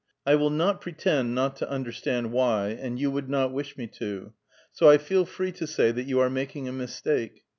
I will not pretend not to understand why, and you would not wish me to; so I feel free to say that you are making a mistake.